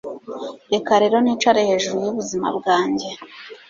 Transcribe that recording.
Reka rero nicare hejuru yubuzima bwanjye